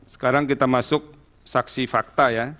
sekarang kita masuk saksi fakta ya